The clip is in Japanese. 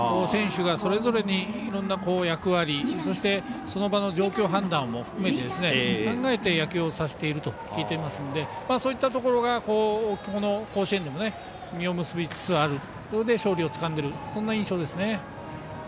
選手がそれぞれに、いろんな役割そしてその場の状況判断も含めて考えて野球をさせていると聞いていますのでそういったところが甲子園でも実を結びつつあるので勝利をつかんでるという印象ですね。